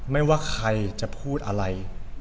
ไม่ว่าใครจะพูดอะไร